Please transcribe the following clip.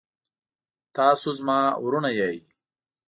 تاسو زما وروڼه يې.